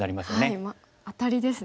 はいアタリですね。